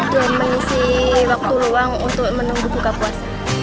dan mengisi waktu ruang untuk menunggu buka puasa